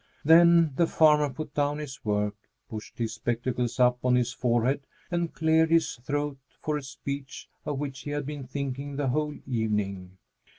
Then the farmer put down his work, pushed his spectacles up on his forehead, and cleared his throat for a speech of which he had been thinking the whole evening.